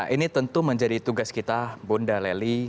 ini tentu menjadi tugas kita bunda leli